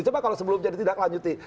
coba kalau sebelum jadi tindak lanjutin